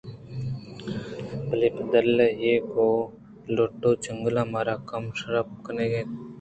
بلے بدل ءَ اے گوں لٹّ ءُ چَگلاں منارا کم شرپ کننت